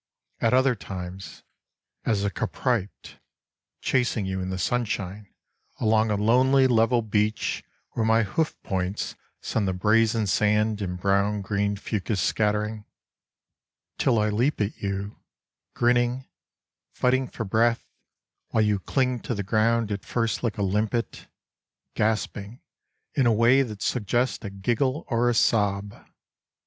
At other times as a capriped, chasing you in the sunshine along a lonely, level beach, where my hoof points send the brazen sand and brown green fucus scattering; till I leap at you, grinning, fighting for breath, while you cling to the ground at first hke a limpet, gasping in a way that suggests a giggle or a sob.